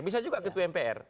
bisa juga ketua mpr